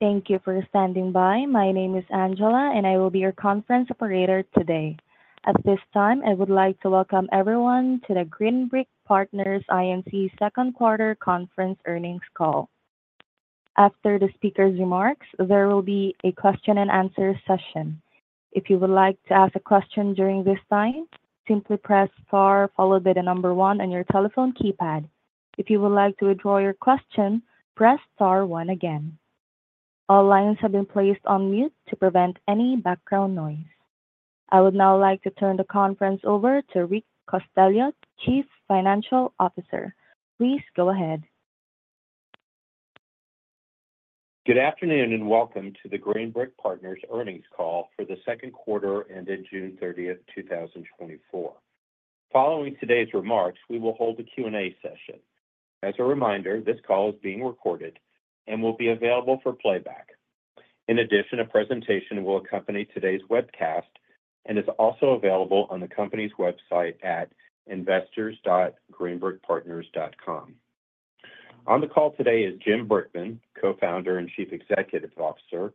Thank you for standing by. My name is Angela, and I will be your conference operator today. At this time, I would like to welcome everyone to the Green Brick Partners, Inc. Q2 Conference Earnings Call. After the speaker's remarks, there will be a question and answer session. If you would like to ask a question during this time, simply press Star followed by the number one on your telephone keypad. If you would like to withdraw your question, press Star one again. All lines have been placed on mute to prevent any background noise. I would now like to turn the conference over to Rick Costello, Chief Financial Officer. Please go ahead. Good afternoon and welcome to the Green Brick Partners earnings call for the Q2 ended 30 June 2024. Following today's remarks, we will hold a Q&A session. As a reminder, this call is being recorded and will be available for playback. In addition, a presentation will accompany today's webcast and is also available on the company's website at investors.greenbrickpartners.com. On the call today is Jim Brickman, Co-founder and Chief Executive Officer;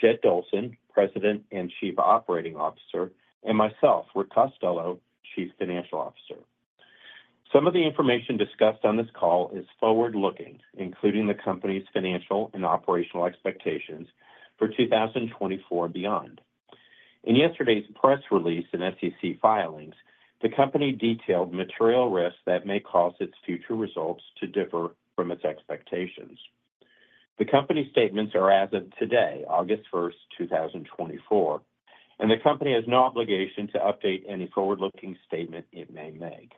Jed Dolson, President and Chief Operating Officer; and myself, Rick Costello, Chief Financial Officer. Some of the information discussed on this call is forward-looking, including the company's financial and operational expectations for 2024 and beyond. In yesterday's press release and SEC filings, the company detailed material risks that may cause its future results to differ from its expectations. The company statements are as of today, 1 August 2024, and the company has no obligation to update any forward-looking statement it may make.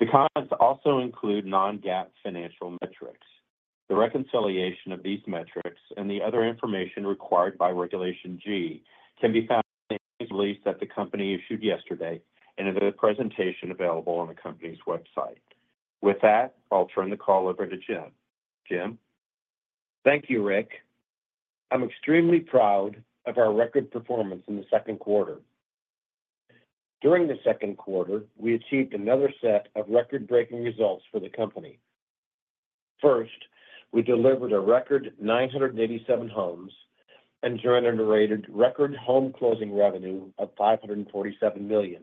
The comments also include non-GAAP financial metrics. The reconciliation of these metrics and the other information required by Regulation G can be found in the release that the company issued yesterday and in the presentation available on the company's website. With that, I'll turn the call over to Jim. Jim? Thank you, Rick. I'm extremely proud of our record performance in the Q2. During the Q2, we achieved another set of record-breaking results for the company. First, we delivered a record 987 homes and generated record home closing revenue of $547 million,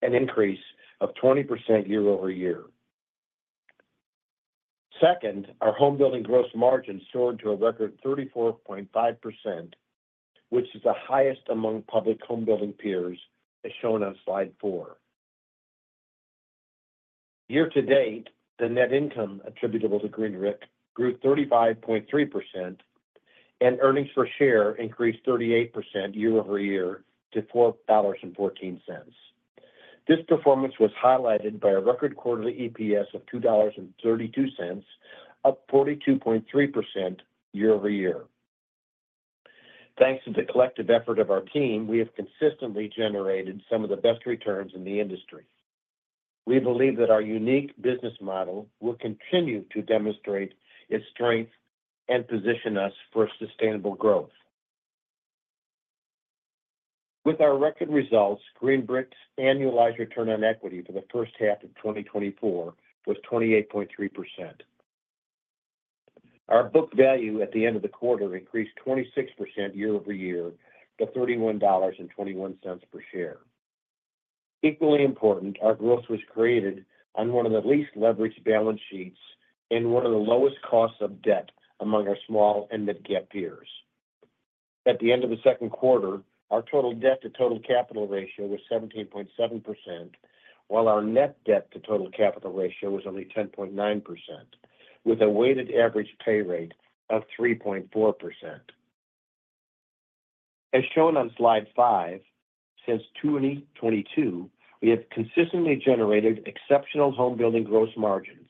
an increase of 20% year-over-year. Second, our home building gross margin soared to a record 34.5%, which is the highest among public home building peers, as shown on slide four. Year-to-date, the net income attributable to Green Brick grew 35.3%, and earnings per share increased 38% year-over-year to $4.14. This performance was highlighted by a record quarterly EPS of $2.32, up 42.3% year-over-year. Thanks to the collective effort of our team, we have consistently generated some of the best returns in the industry. We believe that our unique business model will continue to demonstrate its strength and position us for sustainable growth. With our record results, Green Brick's annualized return on equity for the H1 of 2024 was 28.3%. Our book value at the end of the quarter increased 26% year-over-year to $31.21 per share. Equally important, our growth was created on one of the least leveraged balance sheets and one of the lowest costs of debt among our small and mid-cap peers. At the end of the Q2, our total debt to total capital ratio was 17.7%, while our net debt to total capital ratio was only 10.9%, with a weighted average pay rate of 3.4%. As shown on slide five, since 2022, we have consistently generated exceptional home building gross margins,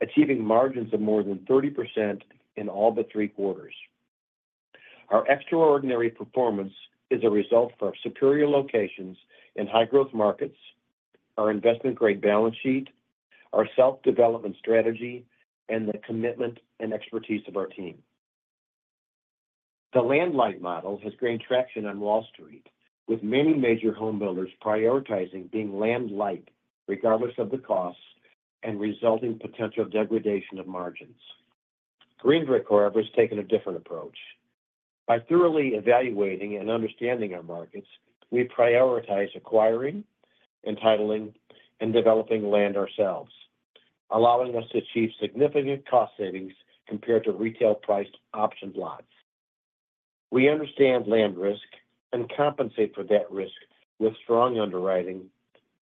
achieving margins of more than 30% in all but three quarters. Our extraordinary performance is a result of our superior locations in high-growth markets, our investment-grade balance sheet, our self-development strategy, and the commitment and expertise of our team. The land-light model has gained traction on Wall Street, with many major home builders prioritizing being land-light regardless of the costs and resulting potential degradation of margins. Green Brick, however, has taken a different approach. By thoroughly evaluating and understanding our markets, we prioritize acquiring, entitling, and developing land ourselves, allowing us to achieve significant cost savings compared to retail-priced option lots. We understand land risk and compensate for that risk with strong underwriting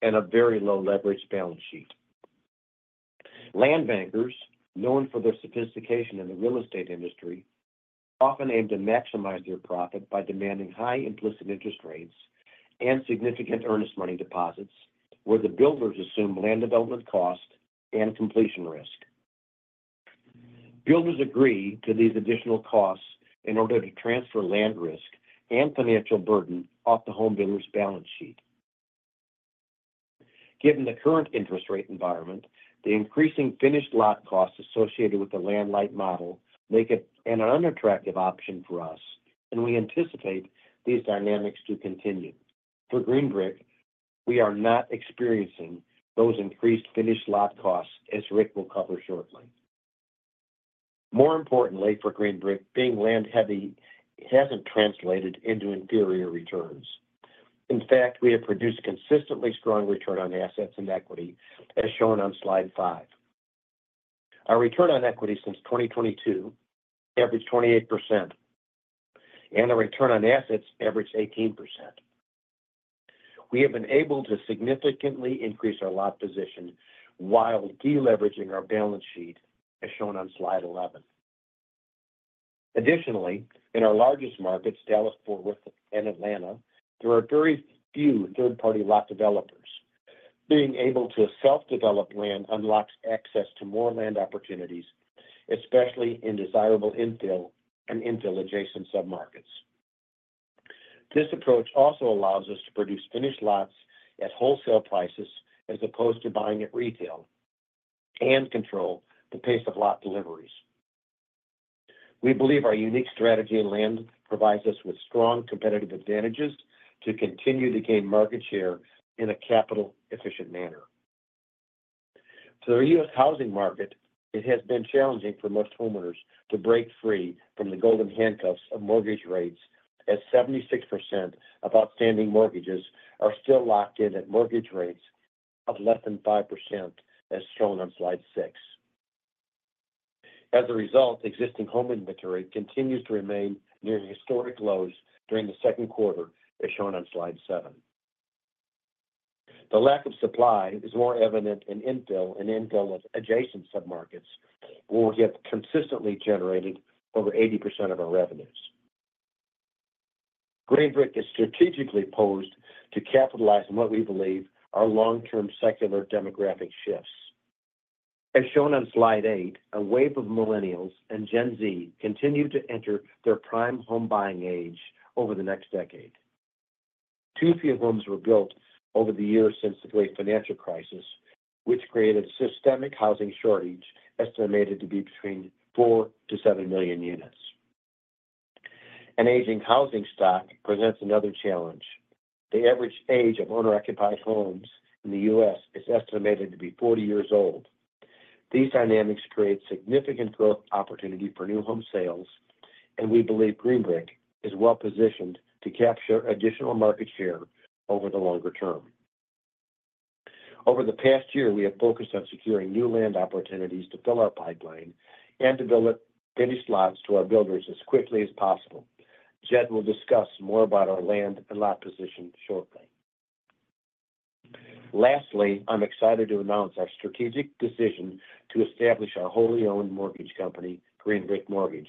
and a very low leverage balance sheet. Land bankers, known for their sophistication in the real estate industry, often aim to maximize their profit by demanding high implicit interest rates and significant earnest money deposits, where the builders assume land development cost and completion risk. Builders agree to these additional costs in order to transfer land risk and financial burden off the home builder's balance sheet. Given the current interest rate environment, the increasing finished lot costs associated with the land-light model make it an unattractive option for us, and we anticipate these dynamics to continue. For Green Brick, we are not experiencing those increased finished lot costs, as Rick will cover shortly. More importantly, for Green Brick, being land-heavy hasn't translated into inferior returns. In fact, we have produced consistently strong return on assets and equity, as shown on slide five. Our return on equity since 2022 averaged 28%, and our return on assets averaged 18%. We have been able to significantly increase our lot position while deleveraging our balance sheet, as shown on slide 11. Additionally, in our largest markets, Dallas-Fort Worth and Atlanta, there are very few third-party lot developers. Being able to self-develop land unlocks access to more land opportunities, especially in desirable infill and infill-adjacent submarkets. This approach also allows us to produce finished lots at wholesale prices as opposed to buying at retail and control the pace of lot deliveries. We believe our unique strategy in land provides us with strong competitive advantages to continue to gain market share in a capital-efficient manner. For the U.S. housing market, it has been challenging for most homeowners to break free from the golden handcuffs of mortgage rates, as 76% of outstanding mortgages are still locked in at mortgage rates of less than 5%, as shown on slide six. As a result, existing home inventory continues to remain near historic lows during the Q2, as shown on slide seven. The lack of supply is more evident in infill and infill-adjacent submarkets, where we have consistently generated over 80% of our revenues. Green Brick is strategically posed to capitalize on what we believe are long-term secular demographic shifts. As shown on slide eight, a wave of Millennials and Gen Z continue to enter their prime home buying age over the next decade. Too few homes were built over the years since the Great Financial Crisis, which created a systemic housing shortage estimated to be between 4-7 million units. An aging housing stock presents another challenge. The average age of owner-occupied homes in the U.S. is estimated to be 40 years old. These dynamics create significant growth opportunity for new home sales, and we believe Green Brick is well positioned to capture additional market share over the longer term. Over the past year, we have focused on securing new land opportunities to fill our pipeline and to build finished lots to our builders as quickly as possible. Jed will discuss more about our land and lot position shortly. Lastly, I'm excited to announce our strategic decision to establish our wholly owned mortgage company, Green Brick Mortgage,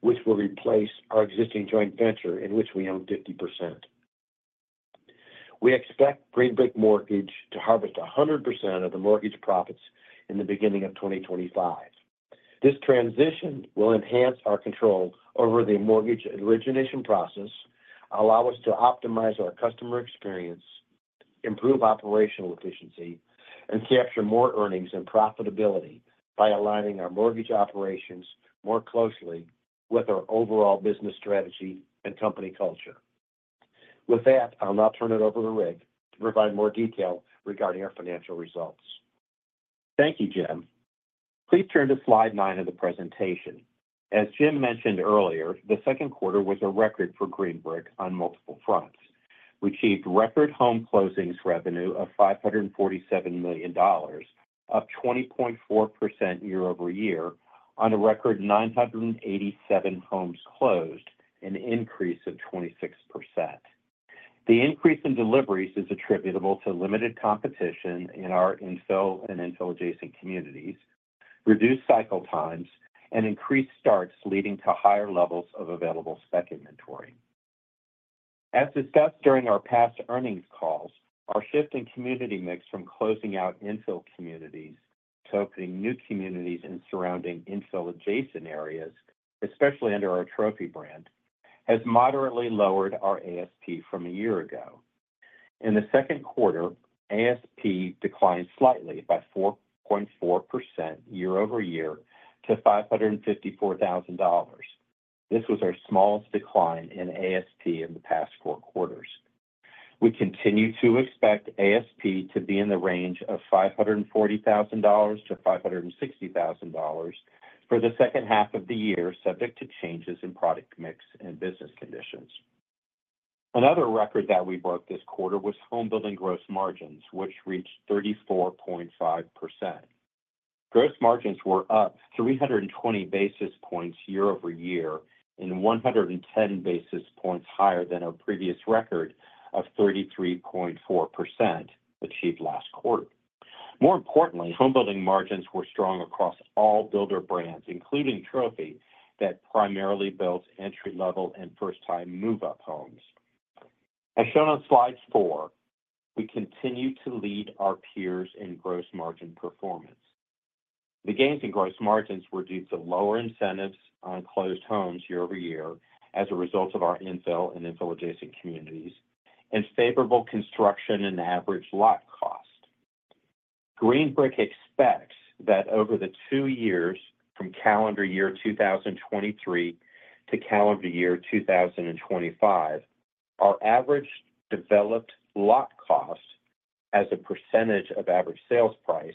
which will replace our existing joint venture in which we own 50%. We expect Green Brick Mortgage to harvest 100% of the mortgage profits in the beginning of 2025. This transition will enhance our control over the mortgage origination process, allow us to optimize our customer experience, improve operational efficiency, and capture more earnings and profitability by aligning our mortgage operations more closely with our overall business strategy and company culture. With that, I'll now turn it over to Rick to provide more detail regarding our financial results. Thank you, Jim. Please turn to slide nine of the presentation. As Jim mentioned earlier, the second quarter was a record for Green Brick on multiple fronts. We achieved record home closings revenue of $547 million, up 20.4% year-over-year, on a record 987 homes closed, an increase of 26%. The increase in deliveries is attributable to limited competition in our infill and infill-adjacent communities, reduced cycle times, and increased starts leading to higher levels of available spec inventory. As discussed during our past earnings calls, our shift in community mix from closing out infill communities to opening new communities in surrounding infill-adjacent areas, especially under our Trophy brand, has moderately lowered our ASP from a year ago. In the second quarter, ASP declined slightly by 4.4% year-over-year to $554,000. This was our smallest decline in ASP in the past four quarters. We continue to expect ASP to be in the range of $540,000-$560,000 for the H2 of the year, subject to changes in product mix and business conditions. Another record that we broke this quarter was home building gross margins, which reached 34.5%. Gross margins were up 320 basis points year-over-year and 110 basis points higher than our previous record of 33.4% achieved last quarter. More importantly, home building margins were strong across all builder brands, including Trophy, that primarily built entry-level and first-time move-up homes. As shown on slide four, we continue to lead our peers in gross margin performance. The gains in gross margins were due to lower incentives on closed homes year-over-year as a result of our infill and infill-adjacent communities and favorable construction and average lot cost. Green Brick expects that over the two years from calendar year 2023 to calendar year 2025, our average developed lot cost as a percentage of average sales price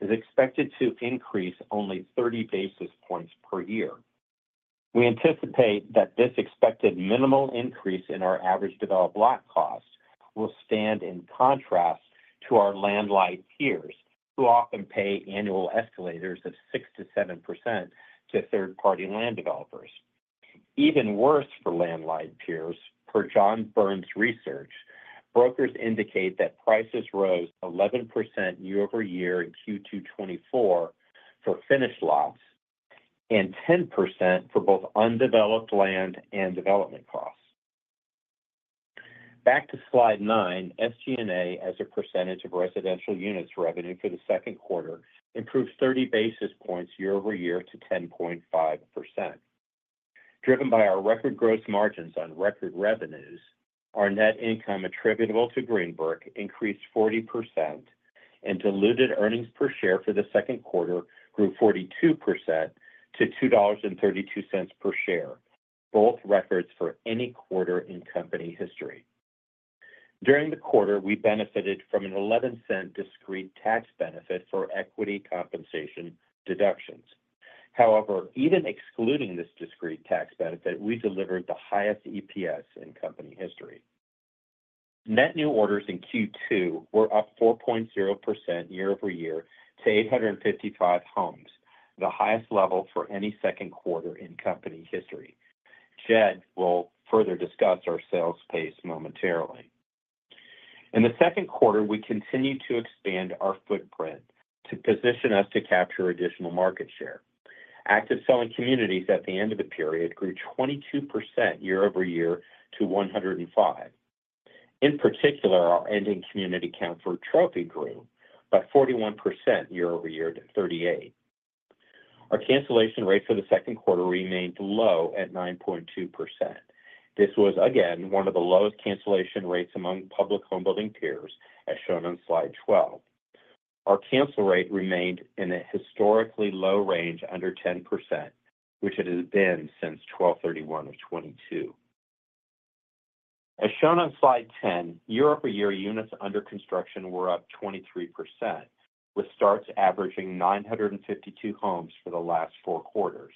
is expected to increase only 30 basis points per year. We anticipate that this expected minimal increase in our average developed lot cost will stand in contrast to our land-light peers, who often pay annual escalators of 6%-7% to third-party land developers. Even worse for land-light peers, per John Burns' research, brokers indicate that prices rose 11% year-over-year in Q2 2024 for finished lots and 10% for both undeveloped land and development costs. Back to slide nine, SG&A as a percentage of residential units revenue for the Q2 improved 30 basis points year-over-year to 10.5%. Driven by our record gross margins on record revenues, our net income attributable to Green Brick increased 40%, and diluted earnings per share for the Q2 grew 42% to $2.32 per share, both records for any quarter in company history. During the quarter, we benefited from a $0.11 discrete tax benefit for equity compensation deductions. However, even excluding this discrete tax benefit, we delivered the highest EPS in company history. Net new orders in Q2 were up 4.0% year-over-year to 855 homes, the highest level for any Q2 in company history. Jed will further discuss our sales pace momentarily. In the Q2, we continue to expand our footprint to position us to capture additional market share. Active selling communities at the end of the period grew 22% year-over-year to 105. In particular, our ending community count for Trophy grew by 41% year-over-year to 38. Our cancellation rate for the Q2 remained low at 9.2%. This was, again, one of the lowest cancellation rates among public home building peers, as shown on slide 12. Our cancel rate remained in a historically low range under 10%, which it has been since 31 December 2022. As shown on slide 10, year-over-year, units under construction were up 23%, with starts averaging 952 homes for the last four quarters.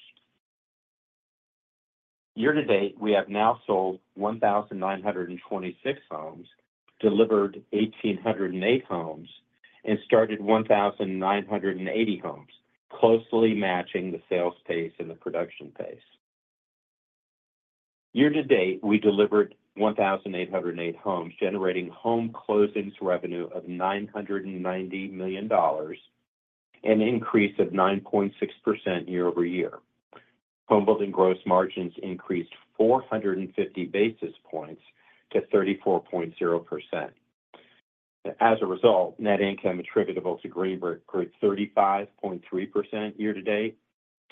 Year-to-date, we have now sold 1,926 homes, delivered 1,808 homes, and started 1,980 homes, closely matching the sales pace and the production pace. Year-to-date, we delivered 1,808 homes, generating home closings revenue of $990 million and an increase of 9.6% year-over-year. Home building gross margins increased 450 basis points to 34.0%. As a result, net income attributable to Green Brick grew 35.3% year-to-date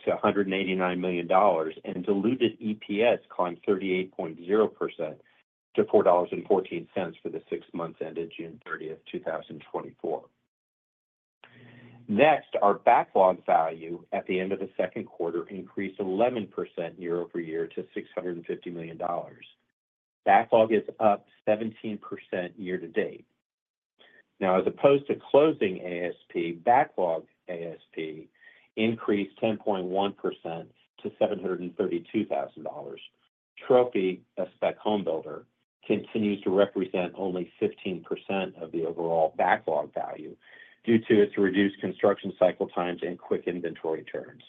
to $189 million, and diluted EPS climbed 38.0% to $4.14 for the six months ended 30 June 2024. Next, our backlog value at the end of the Q2 increased 11% year-over-year to $650 million. Backlog is up 17% year-to-date. Now, as opposed to closing ASP, backlog ASP increased 10.1% to $732,000. Trophy, a spec home builder, continues to represent only 15% of the overall backlog value due to its reduced construction cycle times and quick inventory turns.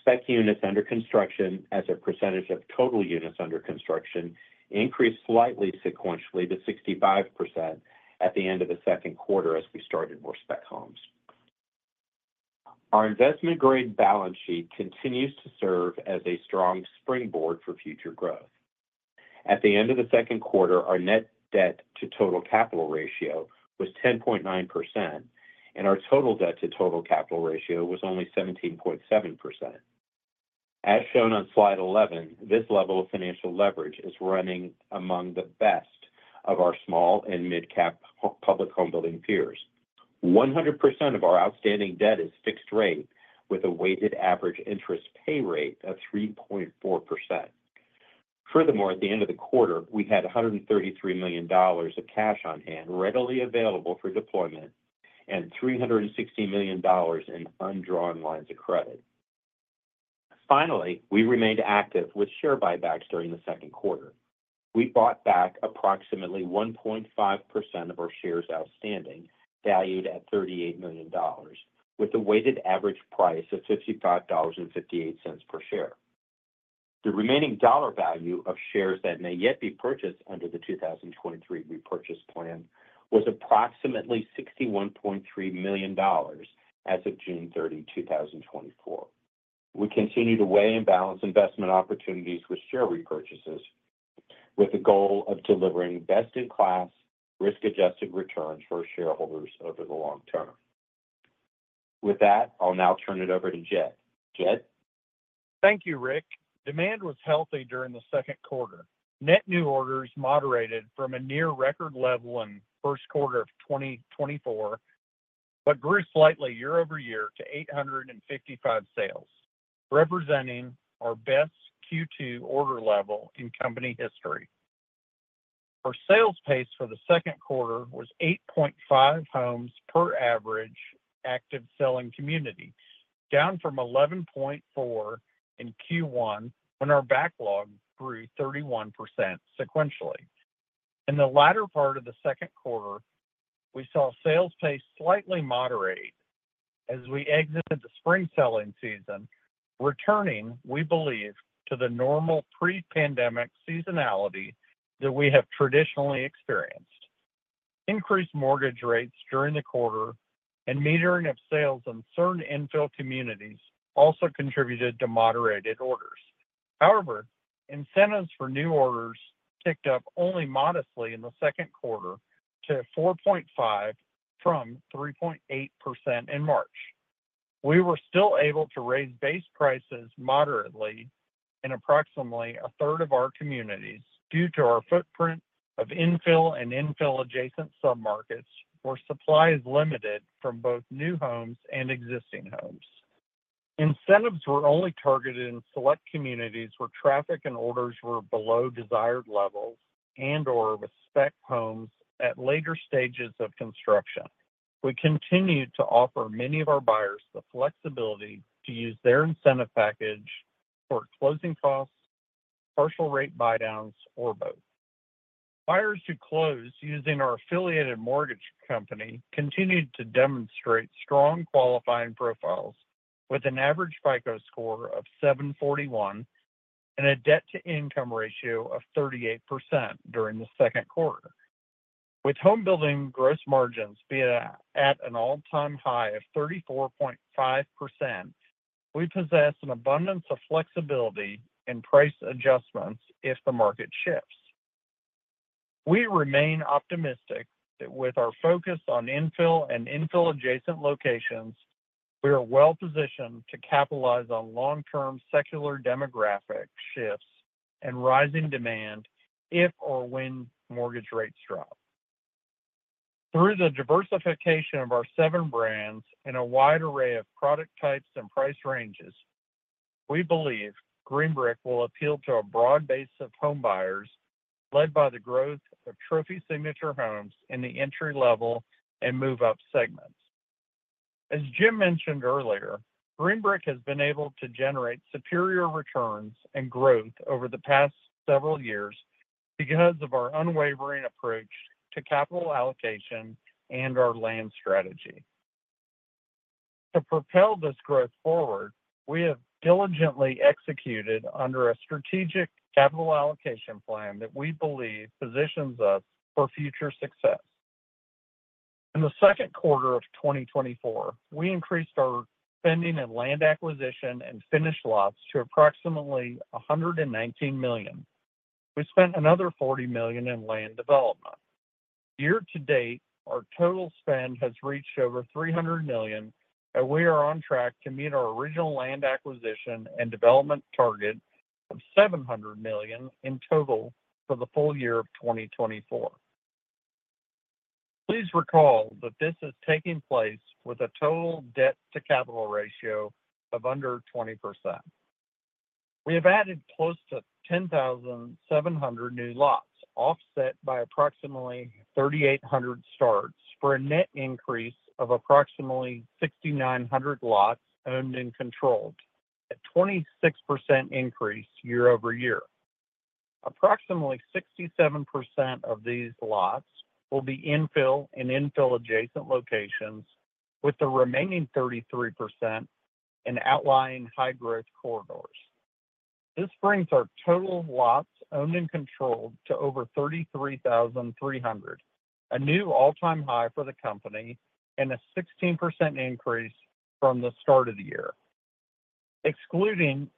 Spec units under construction, as a percentage of total units under construction, increased slightly sequentially to 65% at the end of the Q2 as we started more spec homes. Our investment-grade balance sheet continues to serve as a strong springboard for future growth. At the end of the Q2, our net debt to total capital ratio was 10.9%, and our total debt to total capital ratio was only 17.7%. As shown on slide 11, this level of financial leverage is running among the best of our small and mid-cap public home building peers. 100% of our outstanding debt is fixed rate with a weighted average interest pay rate of 3.4%. Furthermore, at the end of the quarter, we had $133 million of cash on hand readily available for deployment and $360 million in undrawn lines of credit. Finally, we remained active with share buybacks during the Q2. We bought back approximately 1.5% of our shares outstanding, valued at $38 million, with a weighted average price of $55.58 per share. The remaining dollar value of shares that may yet be purchased under the 2023 repurchase plan was approximately $61.3 million as of 30 June 2024. We continue to weigh and balance investment opportunities with share repurchases with the goal of delivering best-in-class risk-adjusted returns for shareholders over the long term. With that, I'll now turn it over to Jed. Jed? Thank you, Rick. Demand was healthy during the Q2. Net new orders moderated from a near record level in the Q1 of 2024, but grew slightly year-over-year to 855 sales, representing our best Q2 order level in company history. Our sales pace for the Q2 was 8.5 homes per average active selling community, down from 11.4 in Q1 when our backlog grew 31% sequentially. In the latter part of the Q2, we saw sales pace slightly moderate as we exited the spring selling season, returning, we believe, to the normal pre-pandemic seasonality that we have traditionally experienced. Increased mortgage rates during the quarter and metering of sales in certain infill communities also contributed to moderated orders. However, incentives for new orders ticked up only modestly in the Q2 to 4.5% from 3.8% in March. We were still able to raise base prices moderately in approximately a third of our communities due to our footprint of infill and infill-adjacent submarkets, where supply is limited from both new homes and existing homes. Incentives were only targeted in select communities where traffic and orders were below desired levels and/or with spec homes at later stages of construction. We continue to offer many of our buyers the flexibility to use their incentive package for closing costs, partial rate buy-downs, or both. Buyers who close using our affiliated mortgage company continued to demonstrate strong qualifying profiles with an average FICO score of 741 and a debt-to-income ratio of 38% during the Q2. With home building gross margins at an all-time high of 34.5%, we possess an abundance of flexibility in price adjustments if the market shifts. We remain optimistic that with our focus on infill and infill-adjacent locations, we are well-positioned to capitalize on long-term secular demographic shifts and rising demand if or when mortgage rates drop. Through the diversification of our seven brands and a wide array of product types and price ranges, we believe Green Brick will appeal to a broad base of home buyers led by the growth of Trophy Signature Homes in the entry-level and move-up segments. As Jim mentioned earlier, Green Brick has been able to generate superior returns and growth over the past several years because of our unwavering approach to capital allocation and our land strategy. To propel this growth forward, we have diligently executed under a strategic capital allocation plan that we believe positions us for future success. In the Q2 of 2024, we increased our spending in land acquisition and finished lots to approximately $119 million. We spent another $40 million in land development. Year-to-date, our total spend has reached over $300 million, and we are on track to meet our original land acquisition and development target of $700 million in total for the full year of 2024. Please recall that this is taking place with a total debt-to-capital ratio of under 20%. We have added close to 10,700 new lots, offset by approximately 3,800 starts for a net increase of approximately 6,900 lots owned and controlled, a 26% increase year-over-year. Approximately 67% of these lots will be infill and infill-adjacent locations, with the remaining 33% in outlying high-growth corridors. This brings our total lots owned and controlled to over 33,300, a new all-time high for the company, and a 16% increase from the start of the year. Excluding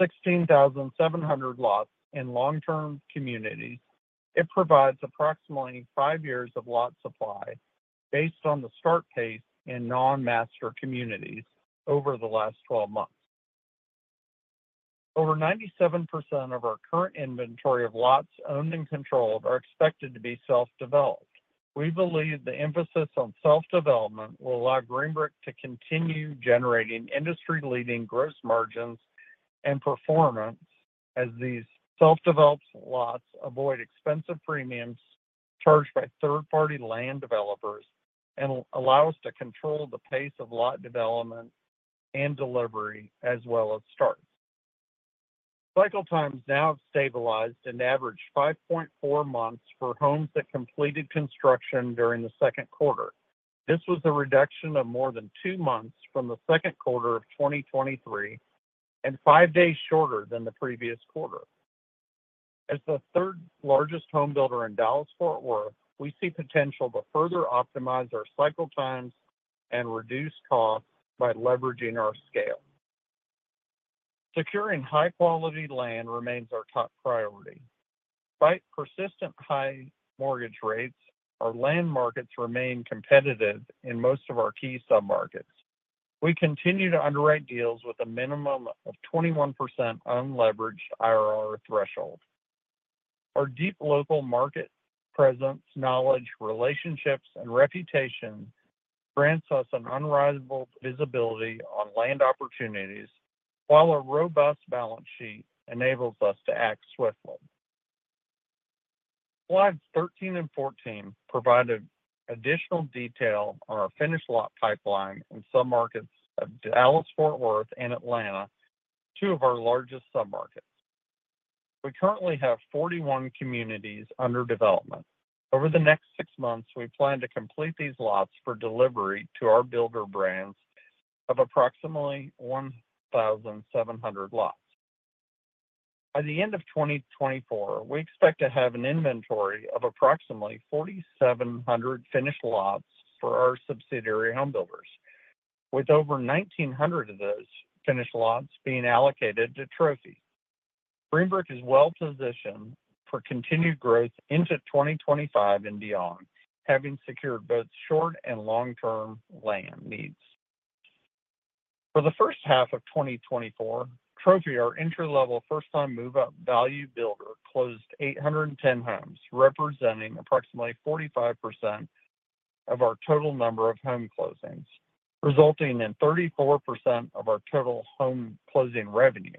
16,700 lots in long-term communities, it provides approximately five years of lot supply based on the start pace in non-master communities over the last 12 months. Over 97% of our current inventory of lots owned and controlled are expected to be self-developed. We believe the emphasis on self-development will allow Green Brick to continue generating industry-leading gross margins and performance as these self-developed lots avoid expensive premiums charged by third-party land developers and allow us to control the pace of lot development and delivery as well as starts. Cycle times now have stabilized and averaged 5.4 months for homes that completed construction during the Q2. This was a reduction of more than two months from the Q2 of 2023 and five days shorter than the previous quarter. As the third-largest home builder in Dallas-Fort Worth, we see potential to further optimize our cycle times and reduce costs by leveraging our scale. Securing high-quality land remains our top priority. Despite persistent high mortgage rates, our land markets remain competitive in most of our key submarkets. We continue to underwrite deals with a minimum of 21% unleveraged IRR threshold. Our deep local market presence, knowledge, relationships, and reputation grants us an unrivaled visibility on land opportunities, while a robust balance sheet enables us to act swiftly. Slides 13 and 14 provide additional detail on our finished lot pipeline in submarkets of Dallas-Fort Worth, and Atlanta, two of our largest submarkets. We currently have 41 communities under development. Over the next six months, we plan to complete these lots for delivery to our builder brands of approximately 1,700 lots. By the end of 2024, we expect to have an inventory of approximately 4,700 finished lots for our subsidiary home builders, with over 1,900 of those finished lots being allocated to Trophy. Green Brick is well-positioned for continued growth into 2025 and beyond, having secured both short and long-term land needs. For the H1 of 2024, Trophy, our entry-level first-time move-up value builder, closed 810 homes, representing approximately 45% of our total number of home closings, resulting in 34% of our total home closing revenue.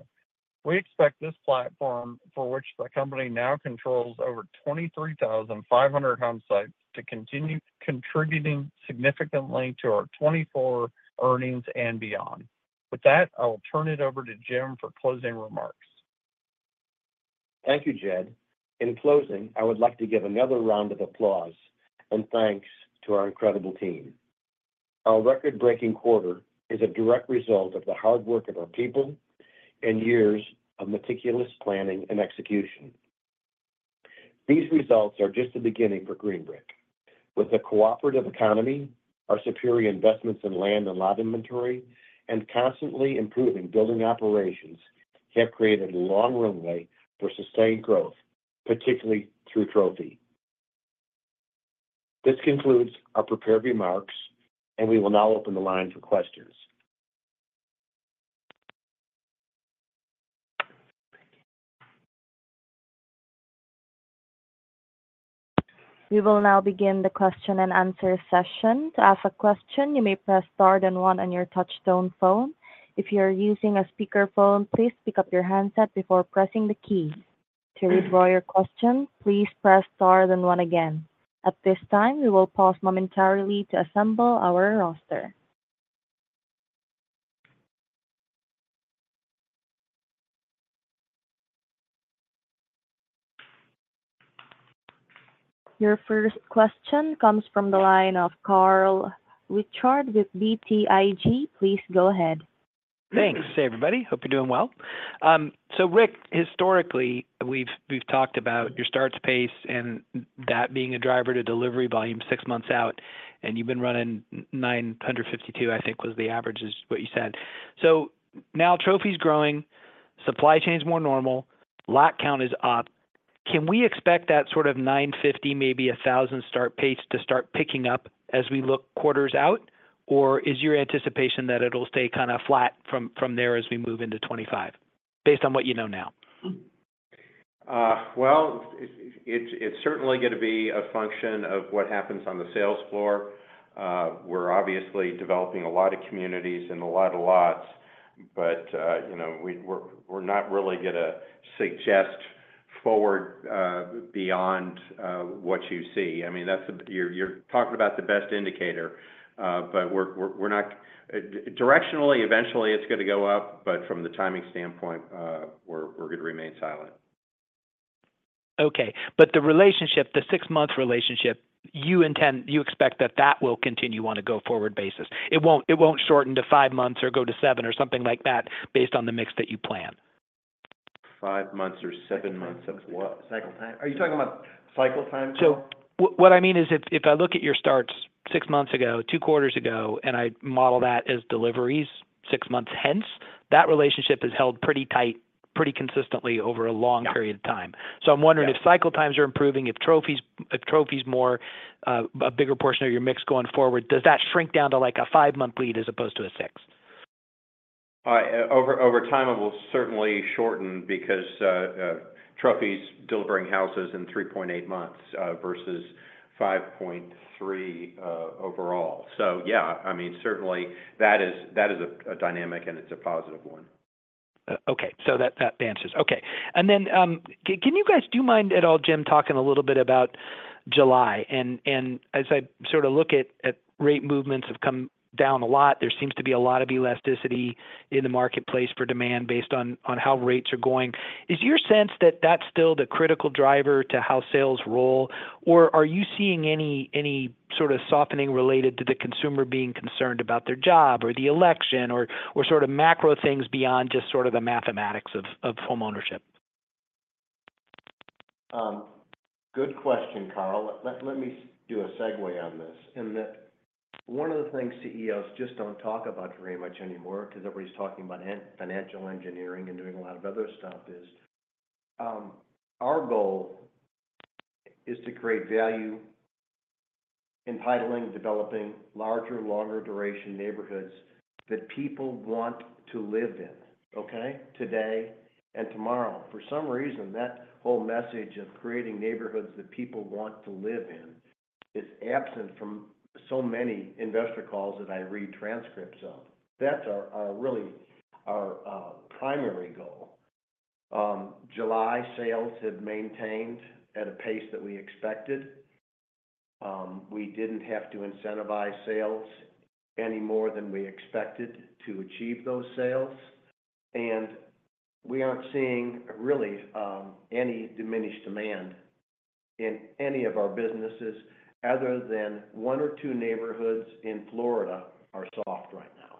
We expect this platform, for which the company now controls over 23,500 home sites, to continue contributing significantly to our 2024 earnings and beyond. With that, I will turn it over to Jim for closing remarks. Thank you, Jed. In closing, I would like to give another round of applause and thanks to our incredible team. Our record-breaking quarter is a direct result of the hard work of our people and years of meticulous planning and execution. These results are just the beginning for Green Brick. With a cooperative economy, our superior investments in land and lot inventory, and constantly improving building operations, have created a long runway for sustained growth, particularly through Trophy. This concludes our prepared remarks, and we will now open the line for questions. We will now begin the question and answer session. To ask a question, you may press Star then one on your touch-tone phone. If you are using a speakerphone, please pick up your handset before pressing the key. To withdraw your question, please press Star then one again. At this time, we will pause momentarily to assemble our roster. Your first question comes from the line of Carl Reichardt with BTIG. Please go ahead. Thanks, everybody. Hope you're doing well. So, Rick, historically, we've talked about your starts pace and that being a driver to delivery volume six months out, and you've been running 952, I think was the average, is what you said. So now Trophy's growing, supply chain's more normal, lot count is up. Can we expect that sort of 950, maybe 1,000 start pace to start picking up as we look quarters out, or is your anticipation that it'll stay kind of flat from there as we move into 2025, based on what you know now? Well, it's certainly going to be a function of what happens on the sales floor. We're obviously developing a lot of communities and a lot of lots, but we're not really going to suggest forward beyond what you see. I mean, you're talking about the best indicator, but we're not directionally, eventually, it's going to go up, but from the timing standpoint, we're going to remain silent. Okay. But the relationship, the six-month relationship, you expect that that will continue on a go-forward basis. It won't shorten to five months or go to seven or something like that based on the mix that you plan? Five months or seven months of what? Cycle time? Are you talking about cycle time? So what I mean is if I look at your starts six months ago, two quarters ago, and I model that as deliveries six months hence, that relationship has held pretty tight, pretty consistently over a long period of time. So I'm wondering if cycle times are improving, if Trophy's more a bigger portion of your mix going forward, does that shrink down to like a five-month lead as opposed to a six? Over time, it will certainly shorten because Trophy's delivering houses in 3.8 months versus 5.3 overall. So yeah, I mean, certainly, that is a dynamic, and it's a positive one. Okay. So that answers. Okay. And then can you guys not mind at all, Jim, talking a little bit about July? And as I sort of look at rate movements have come down a lot, there seems to be a lot of elasticity in the marketplace for demand based on how rates are going. Is your sense that that's still the critical driver to how sales roll, or are you seeing any sort of softening related to the consumer being concerned about their job or the election or sort of macro things beyond just sort of the mathematics of homeownership? Good question, Carl. Let me do a segue on this. One of the things CEOs just don't talk about very much anymore because everybody's talking about financial engineering and doing a lot of other stuff is our goal is to create value entitling, developing larger, longer-duration neighborhoods that people want to live in, okay, today and tomorrow. For some reason, that whole message of creating neighborhoods that people want to live in is absent from so many investor calls that I read transcripts of. That's really our primary goal. July sales have maintained at a pace that we expected. We didn't have to incentivize sales any more than we expected to achieve those sales. We aren't seeing really any diminished demand in any of our businesses other than one or two neighborhoods in Florida are soft right now.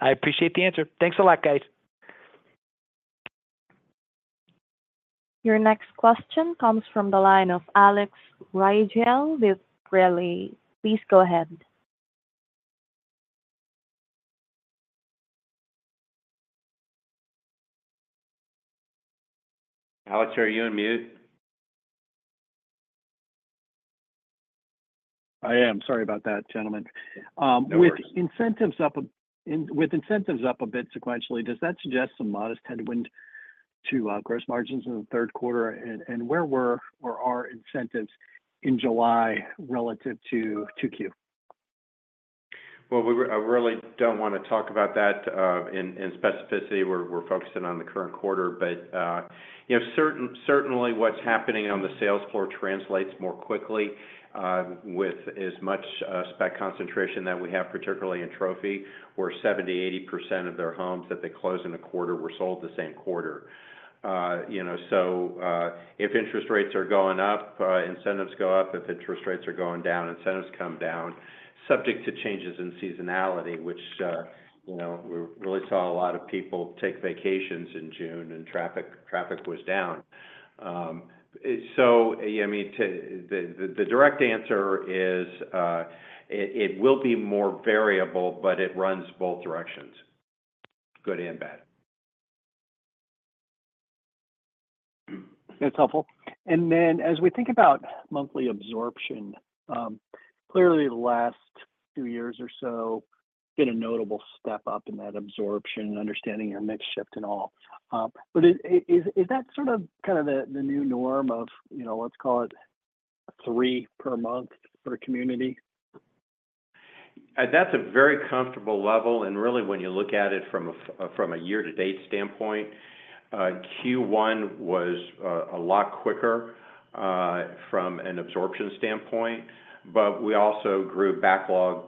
I appreciate the answer. Thanks a lot, guys. Your next question comes from the line of Alex Rygiel with Riley. Please go ahead. Alex, are you on mute? I am. Sorry about that, gentlemen. With incentives up a bit sequentially, does that suggest some modest headwind to gross margins in the Q3? And where were or are incentives in July relative to Q2? Well, we really don't want to talk about that in specificity. We're focusing on the current quarter. But certainly, what's happening on the sales floor translates more quickly with as much spec concentration that we have, particularly in Trophy, where 70%-80% of their homes that they close in a quarter were sold the same quarter. So if interest rates are going up, incentives go up. If interest rates are going down, incentives come down, subject to changes in seasonality, which we really saw a lot of people take vacations in June, and traffic was down. So I mean, the direct answer is it will be more variable, but it runs both directions, good and bad. That's helpful. And then as we think about monthly absorption, clearly, the last few years or so, been a notable step up in that absorption, understanding your mix shift and all. But is that sort of kind of the new norm of let's call it three per month per community? That's a very comfortable level. Really, when you look at it from a year-to-date standpoint, Q1 was a lot quicker from an absorption standpoint, but we also grew backlog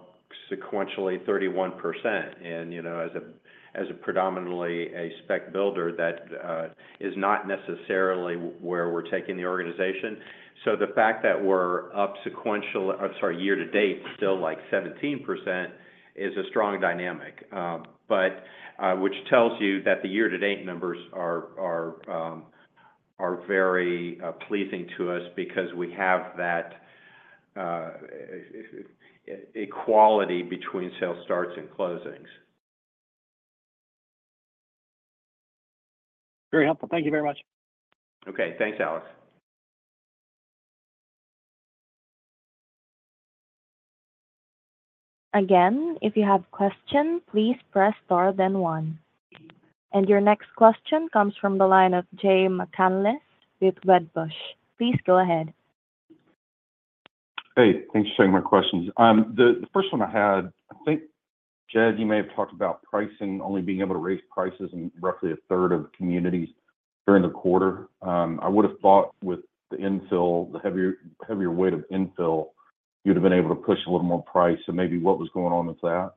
sequentially 31%. As a predominantly a spec builder, that is not necessarily where we're taking the organization. The fact that we're up sequentially, sorry, year-to-date, still like 17% is a strong dynamic, which tells you that the year-to-date numbers are very pleasing to us because we have that equality between sales starts and closings. Very helpful. Thank you very much. Okay. Thanks, Alex. Again, if you have questions, please press Star then one. And your next question comes from the line of Jay McCanless with Wedbush. Please go ahead. Hey, thanks for taking my questions. The first one I had, I think, Jed, you may have talked about pricing, only being able to raise prices in roughly a third of communities during the quarter. I would have thought with the infill, the heavier weight of infill, you'd have been able to push a little more price. So maybe what was going on with that?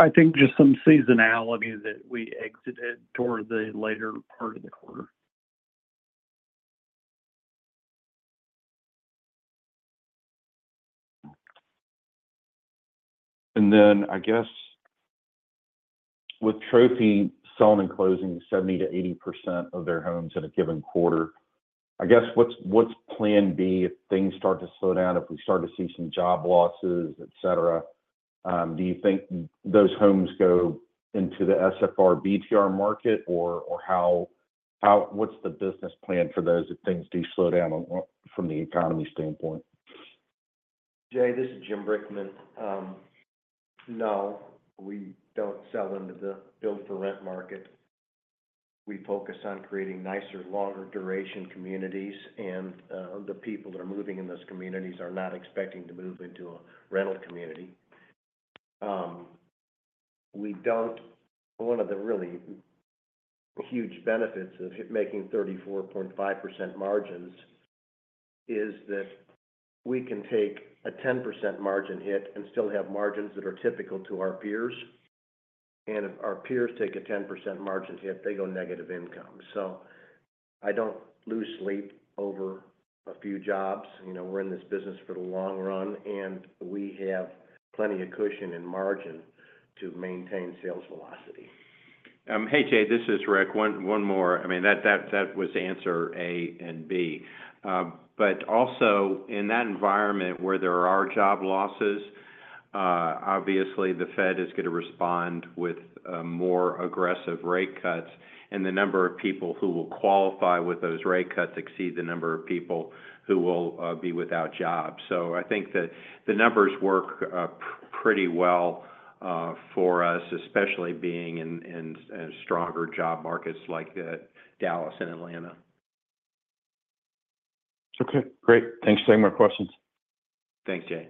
I think just some seasonality that we exited toward the later part of the quarter. And then I guess with Trophy selling and closing 70%-80% of their homes in a given quarter, I guess what's plan B if things start to slow down, if we start to see some job losses, etc.? Do you think those homes go into the SFR BTR market, or what's the business plan for those if things do slow down from the economy standpoint? Jay, this is Jim Brickman. No, we don't sell into the build-for-rent market. We focus on creating nicer, longer-duration communities, and the people that are moving in those communities are not expecting to move into a rental community. One of the really huge benefits of making 34.5% margins is that we can take a 10% margin hit and still have margins that are typical to our peers. If our peers take a 10% margin hit, they go negative income. I don't lose sleep over a few jobs. We're in this business for the long run, and we have plenty of cushion and margin to maintain sales velocity. Hey, Jay, this is Rick. One more. I mean, that was answer A and B. But also, in that environment where there are job losses, obviously, the Fed is going to respond with more aggressive rate cuts, and the number of people who will qualify with those rate cuts exceeds the number of people who will be without jobs. So I think that the numbers work pretty well for us, especially being in stronger job markets like Dallas and Atlanta. Okay. Great. Thanks for taking my questions. Thanks, Jay.